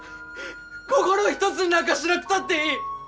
心を一つになんかしなくたっていい。